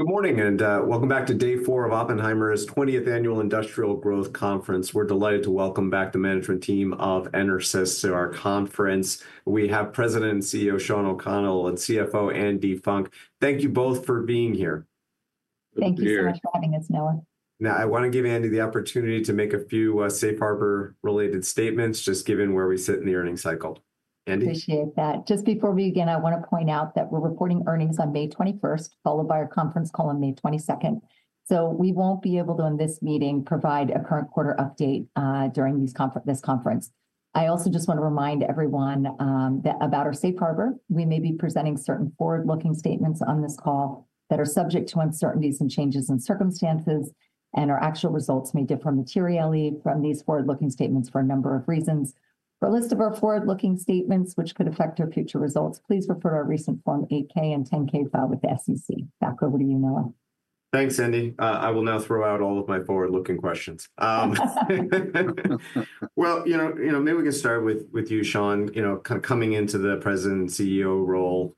Good morning and welcome back to day four of Oppenheimer's 20th Annual Industrial Growth Conference. We're delighted to welcome back the management team of EnerSys to our conference. We have President and CEO, Shawn O'Connell and CFO, Andi Funk. Thank you both for being here. Thank you so much for having us, Noah. Now, I want to give Andi the opportunity to make a few Safe Harbor-related statements, just given where we sit in the earnings cycle. Andi? Appreciate that. Just before we begin, I want to point out that we are reporting earnings on May 21st, followed by a conference call on May 22nd. We will not be able to, in this meeting, provide a current quarter update during this conference. I also just want to remind everyone about our Safe Harbor. We may be presenting certain forward-looking statements on this call that are subject to uncertainties and changes in circumstances, and our actual results may differ materially from these forward-looking statements for a number of reasons. For a list of our forward-looking statements which could affect our future results, please refer to our recent Form 8-K and 10-K filed with the SEC. Back over to you, Noah. Thanks, Andi. I will now throw out all of my forward-looking questions. You know, maybe we can start with you, Shawn, kind of coming into the President and CEO role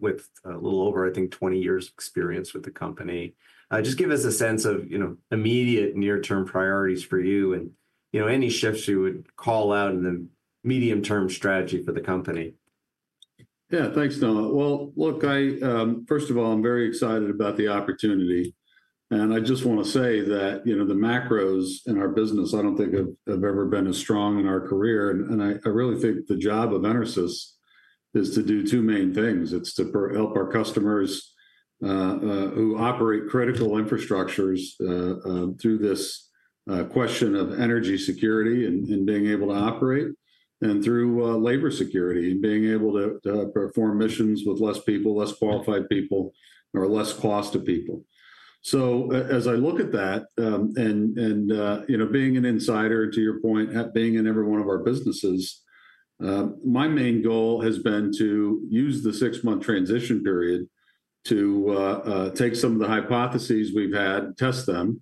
with a little over, I think, 20 years' experience with the company. Just give us a sense of immediate near-term priorities for you and any shifts you would call out in the medium-term strategy for the company. Yeah, thanks, Noah. First of all, I'm very excited about the opportunity. I just want to say that the macros in our business, I don't think have ever been as strong in our career. I really think the job of EnerSys is to do two main things. It's to help our customers who operate critical infrastructures through this question of energy security and being able to operate, and through labor security and being able to perform missions with less people, less qualified people, or less cost to people. As I look at that, and being an insider, to your point, being in every one of our businesses, my main goal has been to use the six-month transition period to take some of the hypotheses we've had, test them,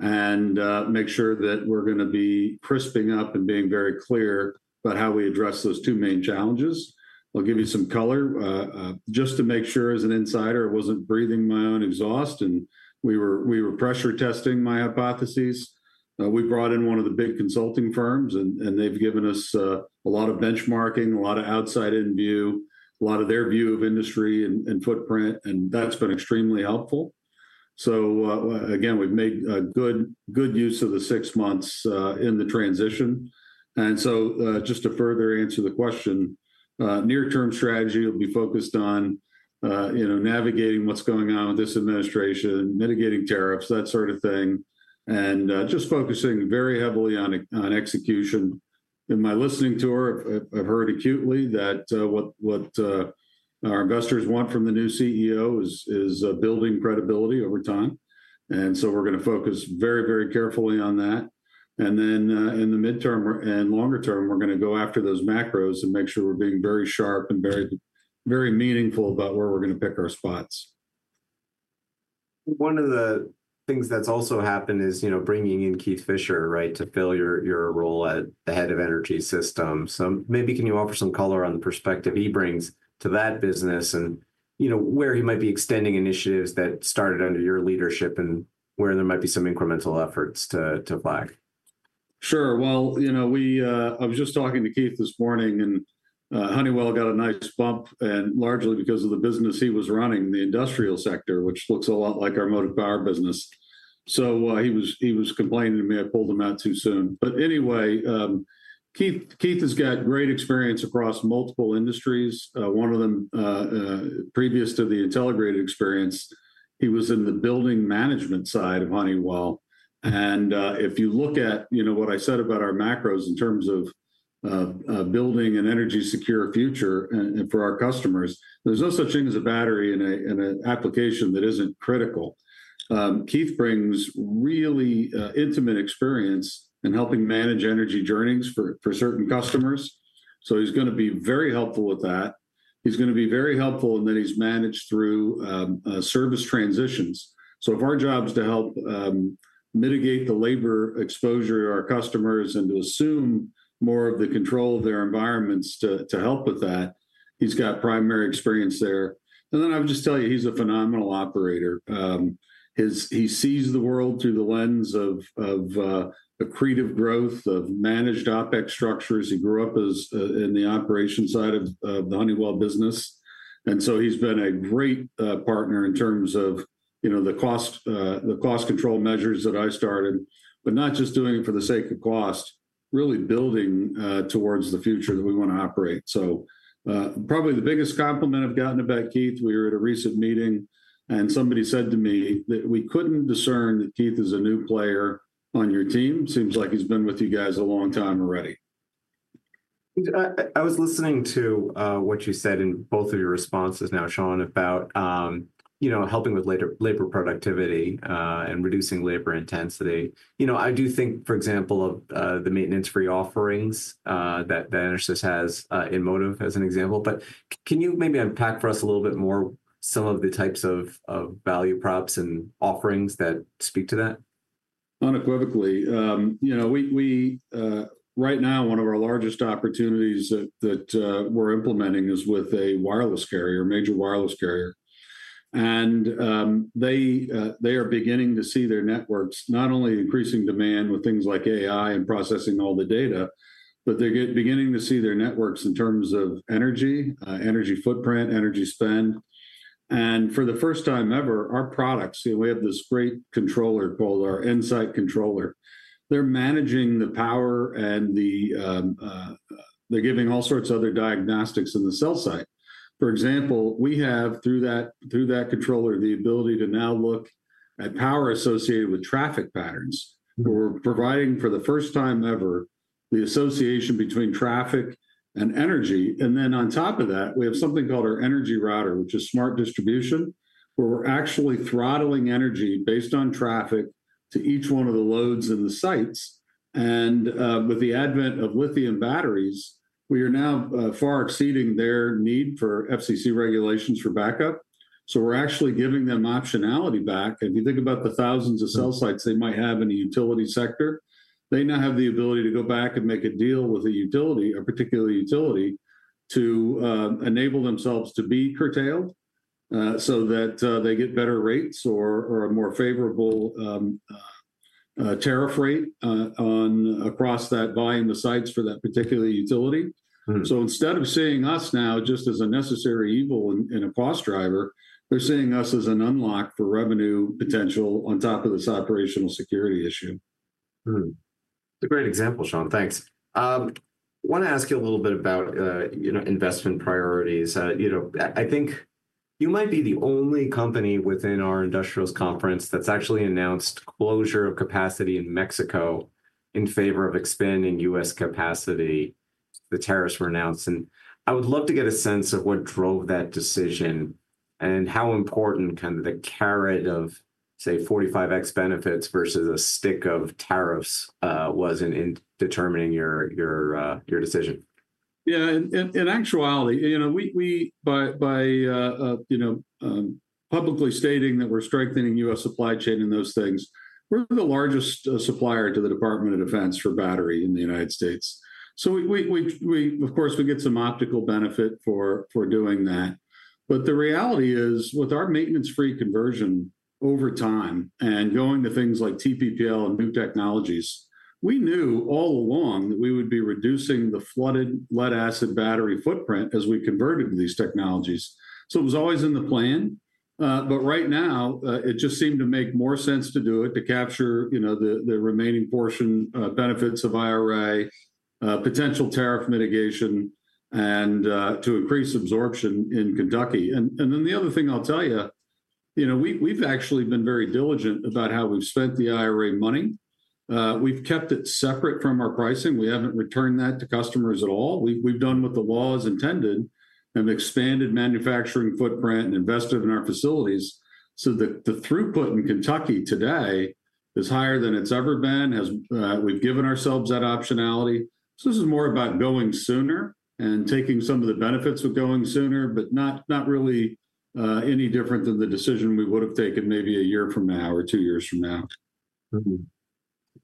and make sure that we're going to be crisping up and being very clear about how we address those two main challenges. I'll give you some color, just to make sure as an insider I wasn't breathing my own exhaust and we were pressure testing my hypotheses. We brought in one of the big consulting firms, and they've given us a lot of benchmarking, a lot of outside-in view, a lot of their view of industry and footprint, and that's been extremely helpful. Again, we've made good use of the six months in the transition. Just to further answer the question, near-term strategy will be focused on navigating what is going on with this administration, mitigating tariffs, that sort of thing, and just focusing very heavily on execution. In my listening tour, I have heard acutely that what our investors want from the new CEO is building credibility over time. We are going to focus very, very carefully on that. In the midterm and longer term, we are going to go after those macros and make sure we are being very sharp and very meaningful about where we are going to pick our spots. One of the things that's also happened is bringing in Keith Fisher to fill your role at the head of energy systems. Maybe can you offer some color on the perspective he brings to that business and where he might be extending initiatives that started under your leadership and where there might be some incremental efforts to flag? Sure. I was just talking to Keith this morning, and Honeywell got a nice bump, largely because of the business he was running, the industrial sector, which looks a lot like our motive power business. He was complaining to me I pulled him out too soon. Anyway, Keith has got great experience across multiple industries. One of them, previous to the Intelligrated experience, he was in the building management side of Honeywell. If you look at what I said about our macros in terms of building an energy-secure future for our customers, there is no such thing as a battery in an application that is not critical. Keith brings really intimate experience in helping manage energy journeys for certain customers. He is going to be very helpful with that. He is going to be very helpful in that he has managed through service transitions. If our job is to help mitigate the labor exposure of our customers and to assume more of the control of their environments to help with that, he's got primary experience there. I would just tell you he's a phenomenal operator. He sees the world through the lens of accretive growth, of managed OpEx structures. He grew up in the operation side of the Honeywell business. He's been a great partner in terms of the cost control measures that I started, but not just doing it for the sake of cost, really building towards the future that we want to operate. Probably the biggest compliment I've gotten about Keith, we were at a recent meeting, and somebody said to me that we could not discern that Keith is a new player on your team. Seems like he's been with you guys a long time already. I was listening to what you said in both of your responses now, Shawn, about helping with labor productivity and reducing labor intensity. I do think, for example, of the maintenance-free offerings that EnerSys has in Motive as an example. Can you maybe unpack for us a little bit more some of the types of value props and offerings that speak to that? Unequivocally. Right now, one of our largest opportunities that we're implementing is with a wireless carrier, a major wireless carrier. They are beginning to see their networks, not only increasing demand with things like AI and processing all the data, but they're beginning to see their networks in terms of energy, energy footprint, energy spend. For the first time ever, our products, we have this great controller called our Insight controller. They're managing the power, and they're giving all sorts of other diagnostics in the cell site. For example, we have, through that controller, the ability to now look at power associated with traffic patterns, where we're providing, for the first time ever, the association between traffic and energy. On top of that, we have something called our energy router, which is smart distribution, where we're actually throttling energy based on traffic to each one of the loads in the sites. With the advent of lithium batteries, we are now far exceeding their need for FCC regulations for backup. We're actually giving them optionality back. If you think about the thousands of cell sites they might have in the utility sector, they now have the ability to go back and make a deal with a utility, a particular utility, to enable themselves to be curtailed so that they get better rates or a more favorable tariff rate across that volume of sites for that particular utility. Instead of seeing us now just as a necessary evil and a cost driver, they're seeing us as an unlock for revenue potential on top of this operational security issue. It's a great example, Shawn. Thanks. I want to ask you a little bit about investment priorities. I think you might be the only company within our Industrials Conference that's actually announced closure of capacity in Mexico in favor of expanding U.S. capacity, the tariffs were announced. I would love to get a sense of what drove that decision and how important kind of the carrot of, say, 45x benefits versus a stick of tariffs was in determining your decision. Yeah. In actuality, by publicly stating that we're strengthening U.S. supply chain and those things, we're the largest supplier to the Department of Defense for battery in the United States. Of course, we get some optical benefit for doing that. The reality is, with our maintenance-free conversion over time and going to things like TPPL and new technologies, we knew all along that we would be reducing the flooded lead-acid battery footprint as we converted these technologies. It was always in the plan. Right now, it just seemed to make more sense to do it to capture the remaining portion benefits of IRA, potential tariff mitigation, and to increase absorption in Kentucky. The other thing I'll tell you, we've actually been very diligent about how we've spent the IRA money. We've kept it separate from our pricing. We haven't returned that to customers at all. We've done what the law has intended and expanded manufacturing footprint and invested in our facilities. The throughput in Kentucky today is higher than it's ever been. We've given ourselves that optionality. This is more about going sooner and taking some of the benefits of going sooner, but not really any different than the decision we would have taken maybe a year from now or two years from now.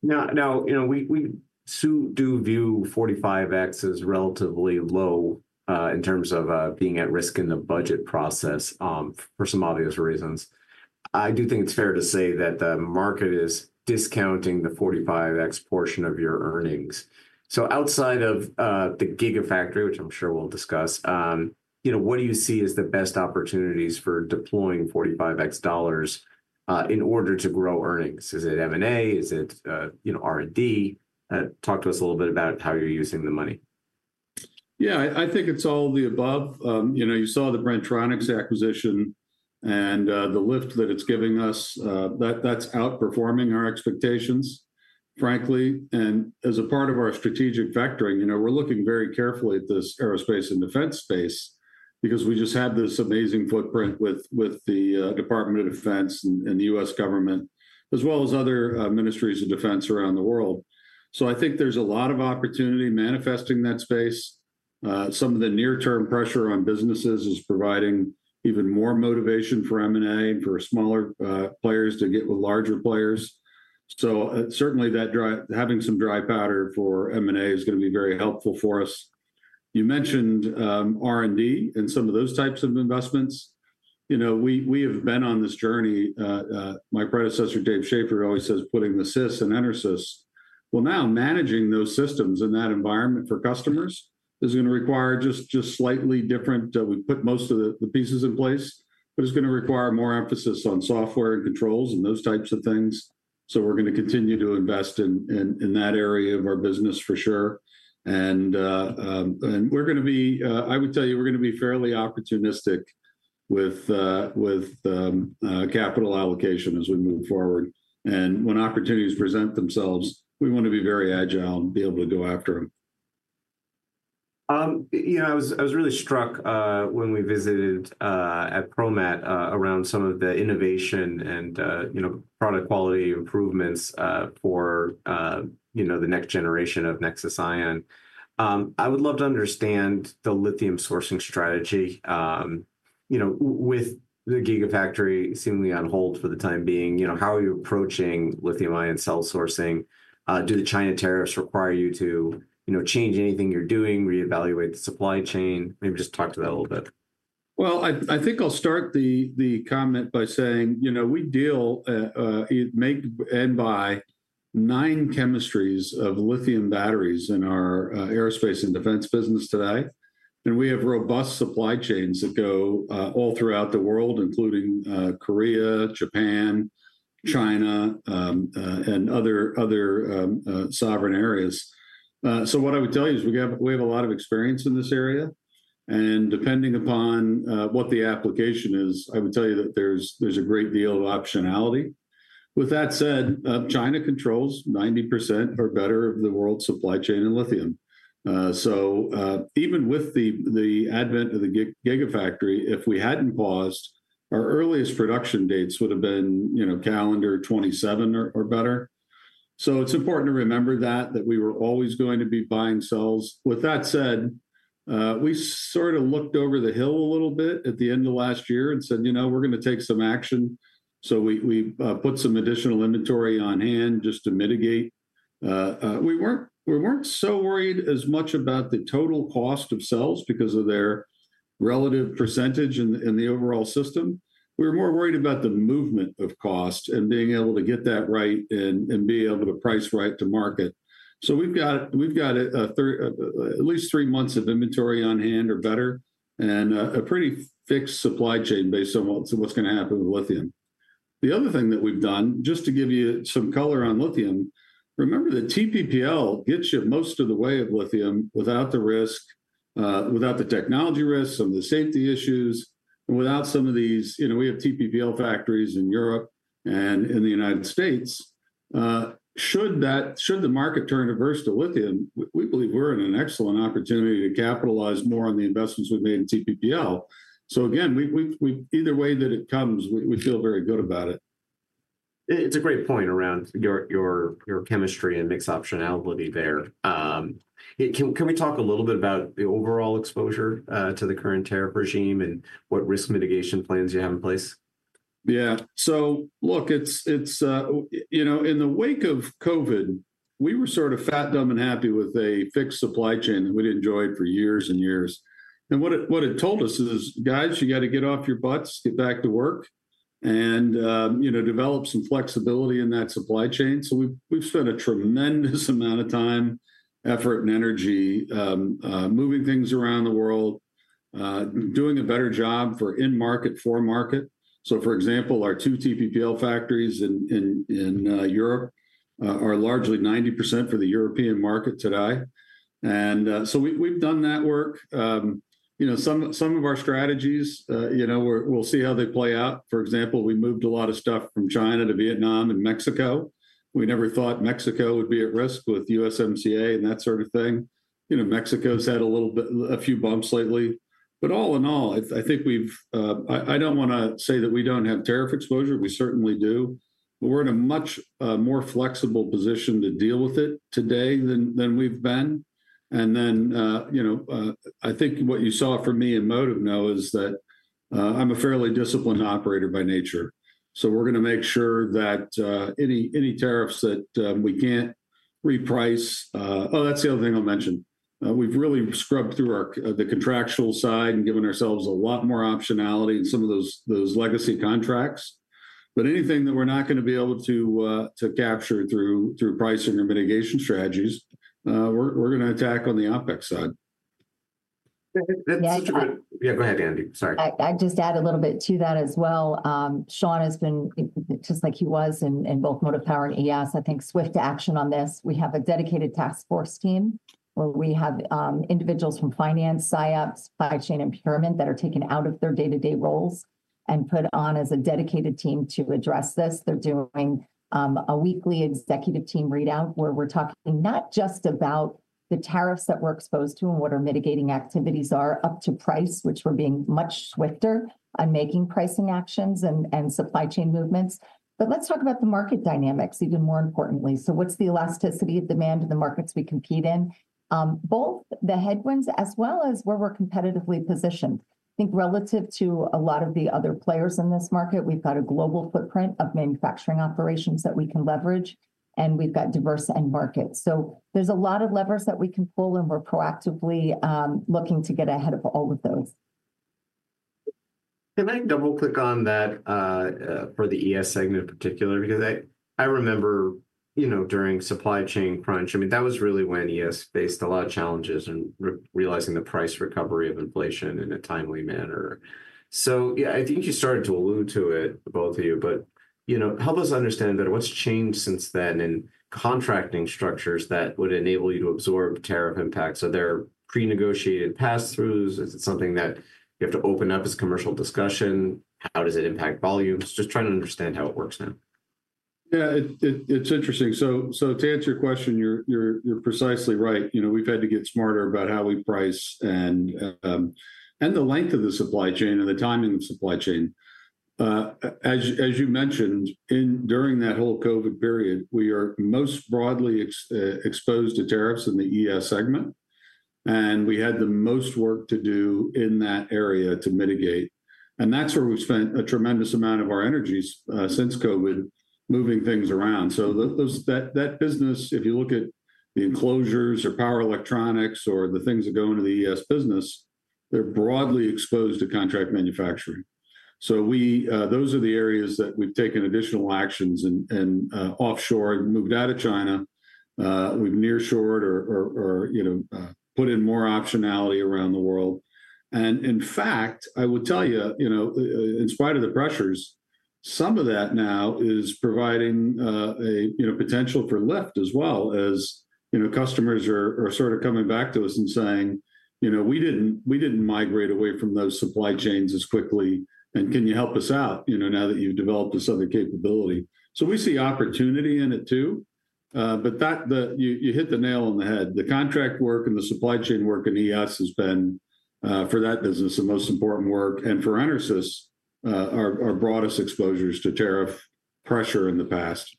Now, we do view 45x as relatively low in terms of being at risk in the budget process for some obvious reasons. I do think it's fair to say that the market is discounting the 45x portion of your earnings. Outside of the Gigafactory, which I'm sure we'll discuss, what do you see as the best opportunities for deploying $45x in order to grow earnings? Is it M&A? Is it R&D? Talk to us a little bit about how you're using the money. Yeah, I think it's all of the above. You saw the Bren-Tronics acquisition and the lift that it's giving us. That's outperforming our expectations, frankly. As a part of our strategic vectoring, we're looking very carefully at this aerospace and defense space because we just had this amazing footprint with the Department of Defense and the U.S. government, as well as other ministries of defense around the world. I think there's a lot of opportunity manifesting in that space. Some of the near-term pressure on businesses is providing even more motivation for M&A and for smaller players to get with larger players. Certainly, having some dry powder for M&A is going to be very helpful for us. You mentioned R&D and some of those types of investments. We have been on this journey. My predecessor, Dave Shaffer, always says putting the Sys in EnerSys, now managing those systems in that environment for customers is going to require just slightly different, we put most of the pieces in place, but it is going to require more emphasis on software and controls and those types of things. We are going to continue to invest in that area of our business for sure. We are going to be, I would tell you, we are going to be fairly opportunistic with capital allocation as we move forward. When opportunities present themselves, we want to be very agile and be able to go after them. I was really struck when we visited at ProMat around some of the innovation and product quality improvements for the next generation of NexSys iON. I would love to understand the lithium sourcing strategy with the Gigafactory seemingly on hold for the time being. How are you approaching lithium-ion cell sourcing? Do the China tariffs require you to change anything you're doing, reevaluate the supply chain? Maybe just talk to that a little bit. I think I'll start the comment by saying we deal and buy nine chemistries of lithium batteries in our aerospace and defense business today. We have robust supply chains that go all throughout the world, including Korea, Japan, China, and other sovereign areas. What I would tell you is we have a lot of experience in this area. Depending upon what the application is, I would tell you that there's a great deal of optionality. With that said, China controls 90% or better of the world's supply chain in lithium. Even with the advent of the Gigafactory, if we hadn't paused, our earliest production dates would have been calendar 2027 or better. It is important to remember that we were always going to be buying cells. With that said, we sort of looked over the hill a little bit at the end of last year and said, you know we're going to take some action. We put some additional inventory on hand just to mitigate. We were not so worried as much about the total cost of cells because of their relative percentage in the overall system. We were more worried about the movement of costs and being able to get that right and be able to price right to market. We have at least three months of inventory on hand or better and a pretty fixed supply chain based on what is going to happen with lithium. The other thing that we've done, just to give you some color on lithium, remember that TPPL gets you most of the way of lithium without the risk, without the technology risk, some of the safety issues, and without some of these. We have TPPL factories in Europe and in the United States. Should the market turn adverse to lithium, we believe we're in an excellent opportunity to capitalize more on the investments we've made in TPPL. Again, either way that it comes, we feel very good about it. It's a great point around your chemistry and mixed optionality there. Can we talk a little bit about the overall exposure to the current tariff regime and what risk mitigation plans you have in place? Yeah. Look, in the wake of COVID, we were sort of fat, dumb, and happy with a fixed supply chain that we'd enjoyed for years and years. What it told us is, guys, you got to get off your butts, get back to work, and develop some flexibility in that supply chain. We've spent a tremendous amount of time, effort, and energy moving things around the world, doing a better job for in-market, for market. For example, our two TPPL factories in Europe are largely 90% for the European market today. We've done that work. Some of our strategies, we'll see how they play out. For example, we moved a lot of stuff from China to Vietnam and Mexico. We never thought Mexico would be at risk with USMCA and that sort of thing. Mexico's had a few bumps lately. All in all, I think we've, I don't want to say that we don't have tariff exposure. We certainly do. We're in a much more flexible position to deal with it today than we've been. I think what you saw from me in Motive now is that I'm a fairly disciplined operator by nature. We're going to make sure that any tariffs that we can't reprice, oh, that's the other thing I'll mention. We've really scrubbed through the contractual side and given ourselves a lot more optionality in some of those legacy contracts. Anything that we're not going to be able to capture through pricing or mitigation strategies, we're going to attack on the OpEx side. That's such a good, yeah, go ahead, Andi. Sorry. I'd just add a little bit to that as well. Shawn has been, just like he was in both Motive Power and ES, I think swift to action on this. We have a dedicated task force team where we have individuals from finance, SIOP, supply chain and procurement that are taken out of their day-to-day roles and put on as a dedicated team to address this. They're doing a weekly executive team readout where we're talking not just about the tariffs that we're exposed to and what our mitigating activities are up to price, which we're being much swifter on making pricing actions and supply chain movements. Let's talk about the market dynamics, even more importantly. What's the elasticity of demand in the markets we compete in? Both the headwinds as well as where we're competitively positioned. I think relative to a lot of the other players in this market, we've got a global footprint of manufacturing operations that we can leverage, and we've got diverse end markets. There are a lot of levers that we can pull, and we're proactively looking to get ahead of all of those. Can I double-click on that for the ES segment in particular? Because I remember during supply chain crunch, I mean, that was really when ES faced a lot of challenges and realizing the price recovery of inflation in a timely manner. I think you started to allude to it, both of you, but help us understand better what's changed since then in contracting structures that would enable you to absorb tariff impacts. Are there pre-negotiated pass-throughs? Is it something that you have to open up as commercial discussion? How does it impact volumes? Just trying to understand how it works now. Yeah, it's interesting. To answer your question, you're precisely right. We've had to get smarter about how we price and the length of the supply chain and the timing of the supply chain. As you mentioned, during that whole COVID period, we are most broadly exposed to tariffs in the ES segment. We had the most work to do in that area to mitigate. That's where we've spent a tremendous amount of our energies since COVID moving things around. That business, if you look at the enclosures or power electronics or the things that go into the ES business, they're broadly exposed to contract manufacturing. Those are the areas that we've taken additional actions and offshored, moved out of China. We've near-shored or put in more optionality around the world. In fact, I would tell you, in spite of the pressures, some of that now is providing a potential for lift as well as customers are sort of coming back to us and saying, "We did not migrate away from those supply chains as quickly. Can you help us out now that you have developed this other capability?" We see opportunity in it too. You hit the nail on the head. The contract work and the supply chain work in ES has been, for that business, the most important work. For EnerSys, our broadest exposures to tariff pressure in the past.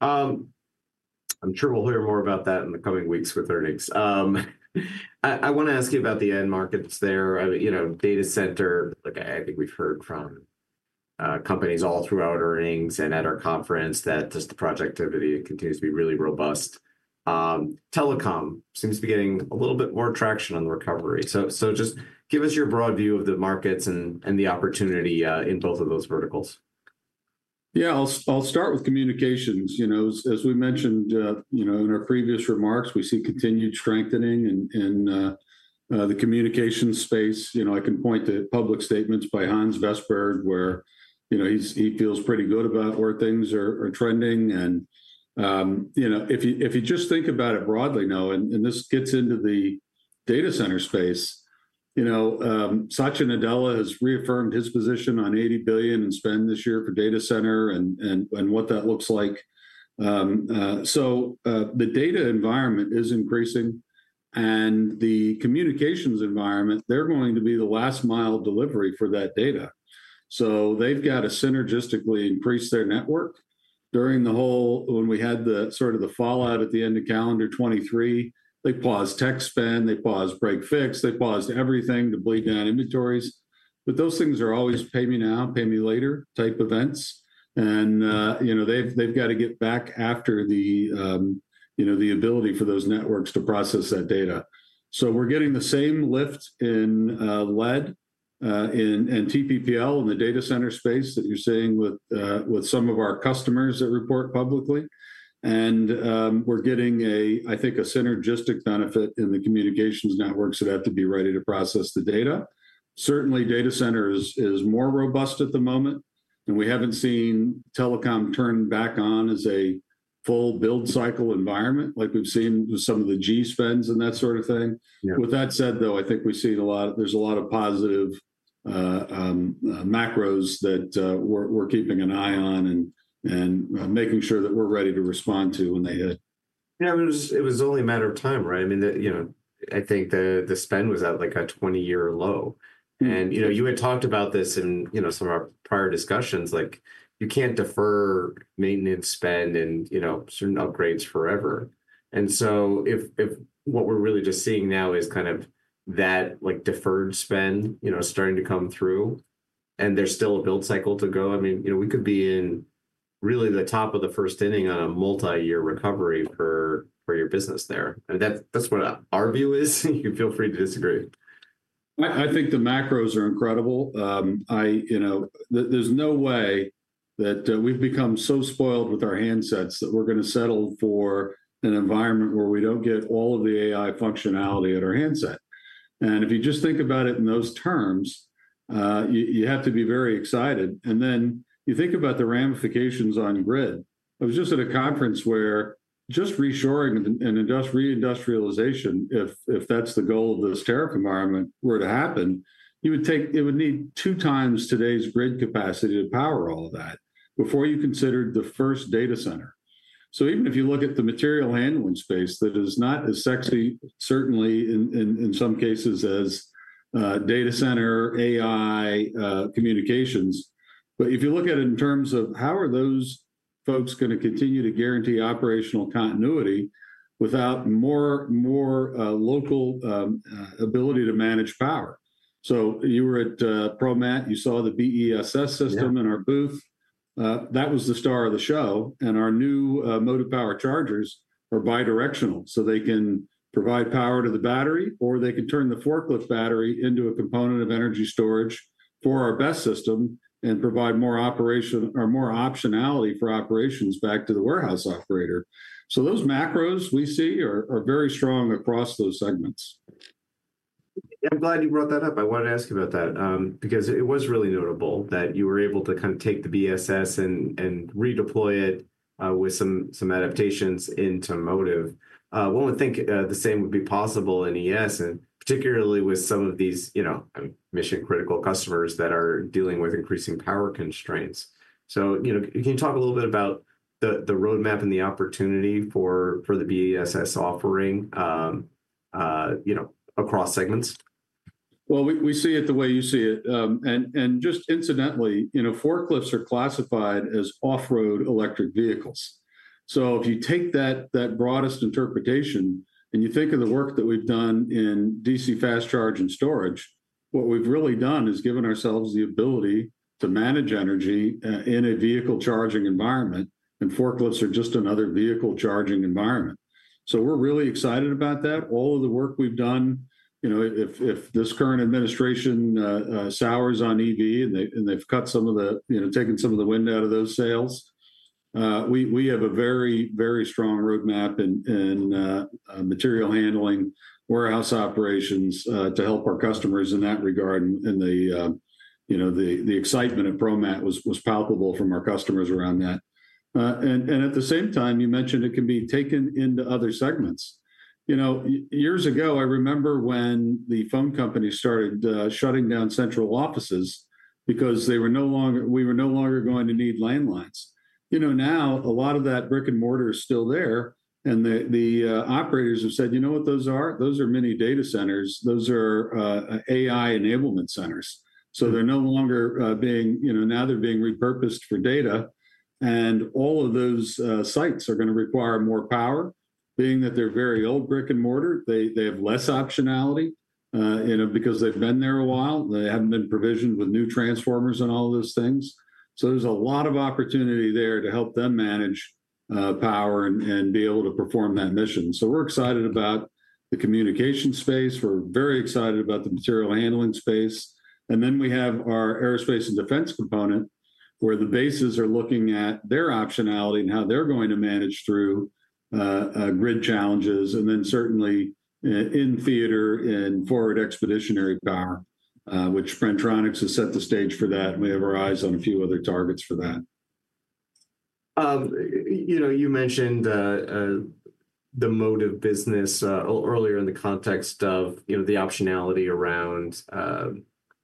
I'm sure we'll hear more about that in the coming weeks with earnings. I want to ask you about the end markets there. Data center, I think we've heard from companies all throughout earnings and at our conference that just the productivity continues to be really robust. Telecom seems to be getting a little bit more traction on the recovery. Just give us your broad view of the markets and the opportunity in both of those verticals. Yeah, I'll start with communications. As we mentioned in our previous remarks, we see continued strengthening in the communications space. I can point to public statements by Hans Vestberg where he feels pretty good about where things are trending. If you just think about it broadly now, and this gets into the data center space, Satya Nadella has reaffirmed his position on $80 billion in spend this year for data center and what that looks like. The data environment is increasing. The communications environment, they're going to be the last mile delivery for that data. They've got to synergistically increase their network during the whole when we had the sort of the fallout at the end of calendar 2023, they paused tech spend, they paused break fix, they paused everything to bleed down inventories. Those things are always pay me now, pay me later type events. They have got to get back after the ability for those networks to process that data. We are getting the same lift in lead and TPPL in the data center space that you are seeing with some of our customers that report publicly. We are getting, I think, a synergistic benefit in the communications networks that have to be ready to process the data. Certainly, data center is more robust at the moment. We have not seen telecom turn back on as a full build cycle environment like we have seen with some of the G spends and that sort of thing. With that said, though, I think we have seen a lot of positive macros that we are keeping an eye on and making sure that we are ready to respond to when they hit. Yeah, it was only a matter of time, right? I mean, I think the spend was at like a 20-year low. You had talked about this in some of our prior discussions, like you can't defer maintenance spend and certain upgrades forever. If what we're really just seeing now is kind of that deferred spend starting to come through and there's still a build cycle to go, I mean, we could be in really the top of the first inning on a multi-year recovery for your business there. That's what our view is. You can feel free to disagree. I think the macros are incredible. There's no way that we've become so spoiled with our handsets that we're going to settle for an environment where we don't get all of the AI functionality at our handset. If you just think about it in those terms, you have to be very excited. You think about the ramifications on grid. I was just at a conference where just reshoring and reindustrialization, if that's the goal of this tariff environment were to happen, it would need two times today's grid capacity to power all of that before you considered the first data center. Even if you look at the material handling space, that is not as sexy, certainly in some cases as data center, AI, communications. If you look at it in terms of how are those folks going to continue to guarantee operational continuity without more local ability to manage power? You were at ProMat. You saw the BESS system in our booth. That was the star of the show. Our new Motive Power chargers are bidirectional. They can provide power to the battery or they can turn the forklift battery into a component of energy storage for our BESS system and provide more operation or more optionality for operations back to the warehouse operator. Those macros we see are very strong across those segments. I'm glad you brought that up. I wanted to ask you about that because it was really notable that you were able to kind of take the BESS and redeploy it with some adaptations into Motive. One would think the same would be possible in ES, and particularly with some of these mission-critical customers that are dealing with increasing power constraints. Can you talk a little bit about the roadmap and the opportunity for the BESS offering across segments? We see it the way you see it. Just incidentally, forklifts are classified as off-road electric vehicles. If you take that broadest interpretation and you think of the work that we have done in DC fast charge and storage, what we have really done is given ourselves the ability to manage energy in a vehicle charging environment. Forklifts are just another vehicle charging environment. We are really excited about that. All of the work we have done, if this current administration sours on EV and they have taken some of the wind out of those sails, we have a very, very strong roadmap in material handling, warehouse operations to help our customers in that regard. The excitement at ProMat was palpable from our customers around that. At the same time, you mentioned it can be taken into other segments. Years ago, I remember when the phone company started shutting down central offices because we were no longer going to need landlines. Now, a lot of that brick and mortar is still there. The operators have said, "You know what those are? Those are mini data centers. Those are AI enablement centers." They are no longer being, now they are being repurposed for data. All of those sites are going to require more power, being that they are very old brick and mortar. They have less optionality because they have been there a while. They have not been provisioned with new transformers and all of those things. There is a lot of opportunity there to help them manage power and be able to perform that mission. We are excited about the communication space. We are very excited about the material handling space. We have our aerospace and defense component where the bases are looking at their optionality and how they're going to manage through grid challenges. Certainly in theater and forward expeditionary power, which Bren-Tronics has set the stage for that. We have our eyes on a few other targets for that. You mentioned the Motive business earlier in the context of the optionality around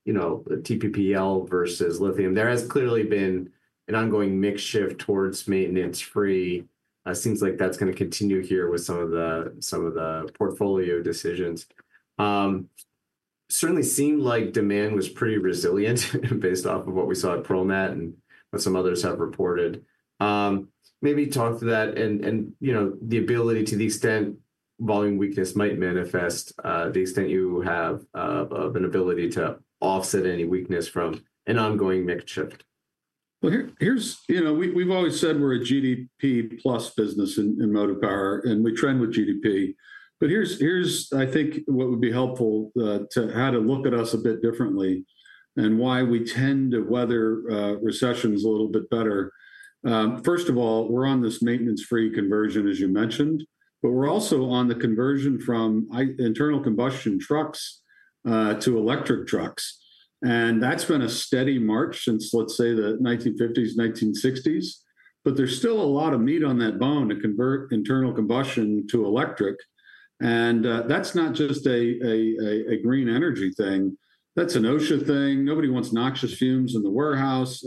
TPPL versus lithium. There has clearly been an ongoing mix shift towards maintenance-free. It seems like that's going to continue here with some of the portfolio decisions. Certainly seemed like demand was pretty resilient based off of what we saw at ProMat and what some others have reported. Maybe talk to that and the ability to the extent volume weakness might manifest, the extent you have of an ability to offset any weakness from an ongoing mix shift. We have always said we are a GDP plus business in Motive Power, and we trend with GDP. I think what would be helpful to how to look at us a bit differently and why we tend to weather recessions a little bit better. First of all, we are on this maintenance-free conversion, as you mentioned, but we are also on the conversion from internal combustion trucks to electric trucks. That has been a steady march since, let's say, the 1950s, 1960s. There is still a lot of meat on that bone to convert internal combustion to electric. That is not just a green energy thing. That is an OSHA thing. Nobody wants noxious fumes in the warehouse.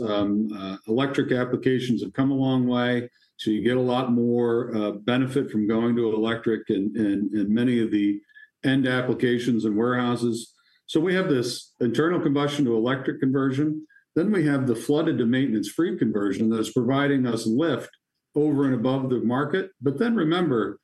Electric applications have come a long way. You get a lot more benefit from going to electric in many of the end applications and warehouses. We have this internal combustion to electric conversion. Then we have the flooded to maintenance-free conversion that is providing us lift over and above the market. Remember,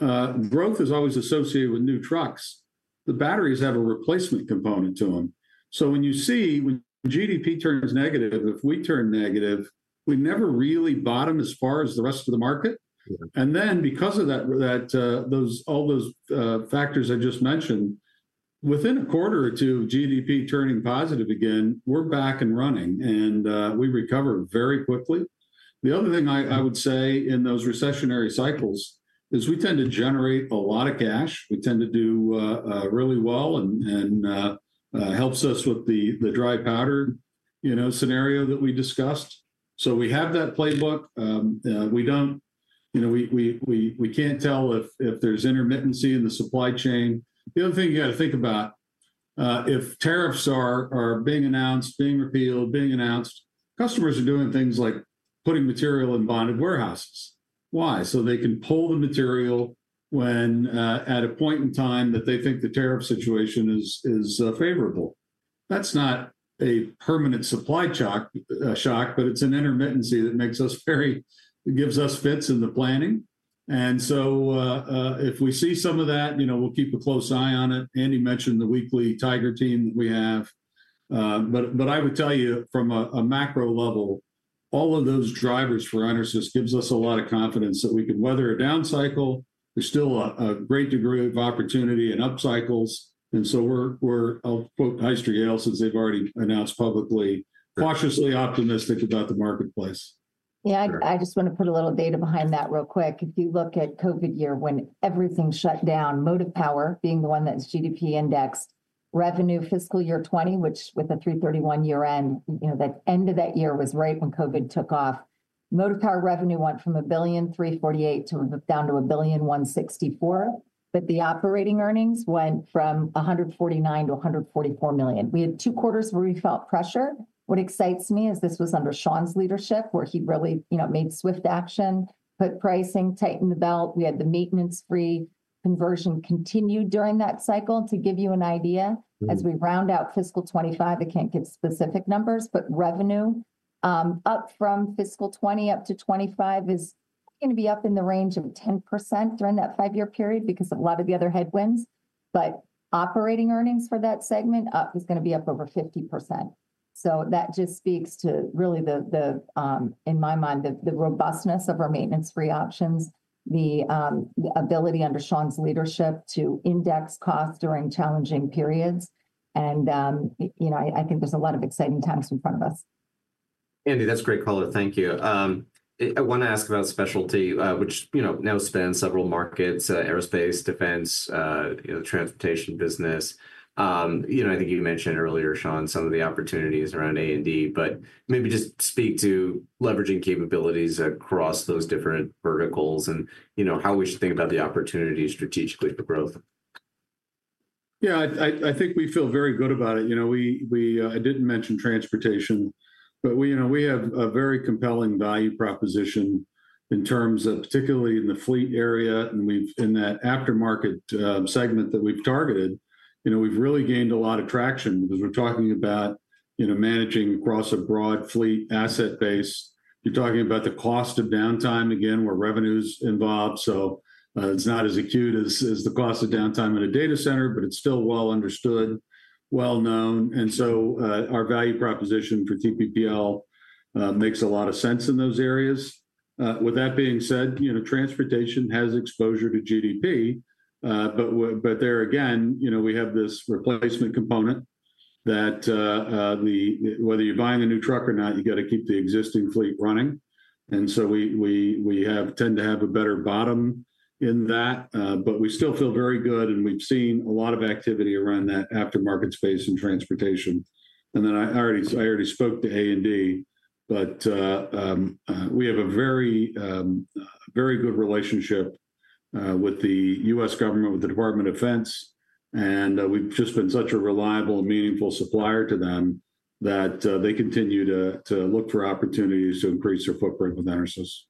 growth is always associated with new trucks. The batteries have a replacement component to them. When you see when GDP turns negative, if we turn negative, we never really bottom as far as the rest of the market. Because of all those factors I just mentioned, within a quarter or two of GDP turning positive again, we're back and running. We recover very quickly. The other thing I would say in those recessionary cycles is we tend to generate a lot of cash. We tend to do really well and it helps us with the dry powder scenario that we discussed. We have that playbook. We can't tell if there's intermittency in the supply chain. The other thing you got to think about, if tariffs are being announced, being repealed, being announced, customers are doing things like putting material in bonded warehouses. Why? So they can pull the material at a point in time that they think the tariff situation is favorable. That's not a permanent supply shock, but it's an intermittency that gives us fits in the planning. If we see some of that, we'll keep a close eye on it. Andi mentioned the weekly tiger team that we have. I would tell you from a macro level, all of those drivers for EnerSys gives us a lot of confidence that we can weather a down cycle. There's still a great degree of opportunity in up cycles. We're, I'll quote Hyster-Yale, since they've already announced publicly, cautiously optimistic about the marketplace. Yeah, I just want to put a little data behind that real quick. If you look at COVID year when everything shut down, Motive Power being the one that's GDP indexed revenue fiscal year 2020, which with a 3/31 year end, that end of that year was right when COVID took off. Motive Power revenue went from $1.348 billion to down to $1.164 billion. But the operating earnings went from $149 million to $144 million. We had two quarters where we felt pressure. What excites me is this was under Shawn's leadership, where he really made swift action, put pricing, tightened the belt. We had the maintenance-free conversion continue during that cycle. To give you an idea, as we round out fiscal 2025, I can't give specific numbers, but revenue up from fiscal 2020 up to 2025 is going to be up in the range of 10% during that five-year period because of a lot of the other headwinds. Operating earnings for that segment up is going to be up over 50%. That just speaks to really, in my mind, the robustness of our maintenance-free options, the ability under Shawn's leadership to index costs during challenging periods. I think there's a lot of exciting times in front of us. Andi, that's great color. Thank you. I want to ask about specialty, which now spans several markets, aerospace, defense, transportation business. I think you mentioned earlier, Shawn, some of the opportunities around A&D, but maybe just speak to leveraging capabilities across those different verticals and how we should think about the opportunity strategically for growth. Yeah, I think we feel very good about it. I did not mention transportation, but we have a very compelling value proposition in terms of particularly in the fleet area and in that aftermarket segment that we have targeted. We have really gained a lot of traction because we are talking about managing across a broad fleet asset base. You are talking about the cost of downtime again, where revenue is involved. It is not as acute as the cost of downtime in a data center, but it is still well understood, well known. Our value proposition for TPPL makes a lot of sense in those areas. With that being said, transportation has exposure to GDP. There again, we have this replacement component that whether you are buying a new truck or not, you have to keep the existing fleet running. We tend to have a better bottom in that. We still feel very good, and we've seen a lot of activity around that aftermarket space in transportation. I already spoke to A&D, but we have a very good relationship with the U.S. government, with the Department of Defense. We've just been such a reliable and meaningful supplier to them that they continue to look for opportunities to increase their footprint with EnerSys.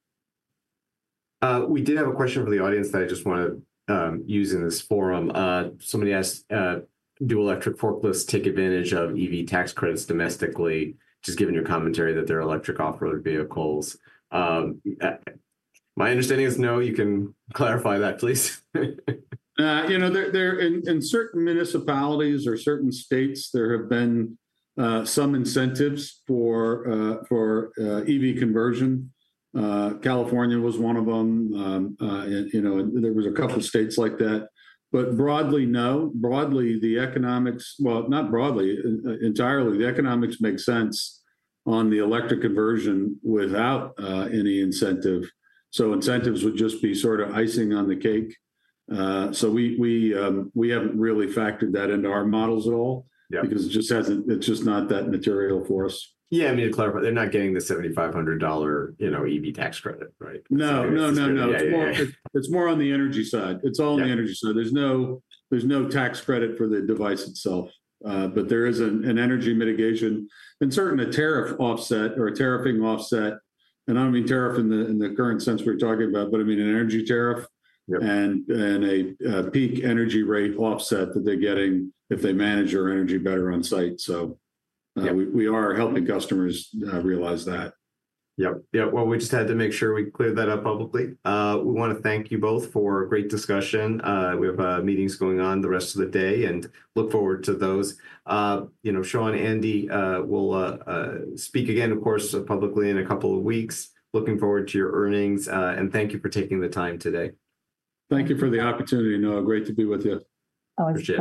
We did have a question for the audience that I just want to use in this forum. Somebody asked, do electric forklifts take advantage of EV tax credits domestically, just given your commentary that they're electric off-road vehicles? My understanding is no. You can clarify that, please. In certain municipalities or certain states, there have been some incentives for EV conversion. California was one of them. There was a couple of states like that. Broadly, no. Broadly, the economics, well, not broadly, entirely, the economics make sense on the electric conversion without any incentive. Incentives would just be sort of icing on the cake. We have not really factored that into our models at all because it is just not that material for us. Yeah, I mean, to clarify, they're not getting the $7,500 EV tax credit, right? No, no, no. It's more on the energy side. It's all on the energy side. There's no tax credit for the device itself, but there is an energy mitigation and certainly a tariff offset or a tariffing offset. I don't mean tariff in the current sense we're talking about, I mean an energy tariff and a peak energy rate offset that they're getting if they manage their energy better on site. We are helping customers realize that. Yep. Yep. We just had to make sure we clear that up publicly. We want to thank you both for a great discussion. We have meetings going on the rest of the day and look forward to those. Shawn, Andi will speak again, of course, publicly in a couple of weeks. Looking forward to your earnings. Thank you for taking the time today. Thank you for the opportunity. No, great to be with you. Oh, it's great.